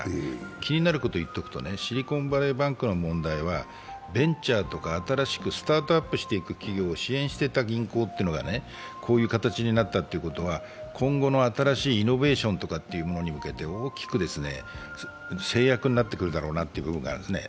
気になることを言っておくとシリコンバレーバンクの問題はベンチャーとか新しくスタートアップしていく企業を支援していた銀行がこういう形になったということは、今後の新しいイノベーションとかというものに向けて、大きく制約になってくるだろうなという部分があるんですね。